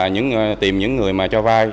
những người mà cho vai